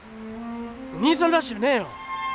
兄さんらしゅうねえよ。